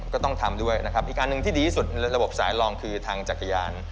ก็ต้องทำด้วยนะครับอีกอันหนึ่งที่ดีที่สุดในระบบสายรองคือทางจักรยาน